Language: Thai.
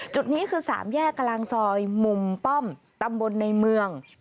จุดนี้คือ๓แยกกลางซอยมุมป้อมตำบลในเมือง